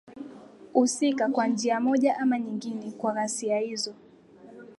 usika kwa njia moja ama nyengine kwa ghasia hizo